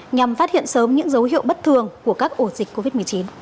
nhằm phát hiện sớm những dấu hiệu bất thường của các ổ dịch covid một mươi chín